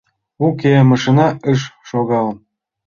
Уке, машина ыш шогал.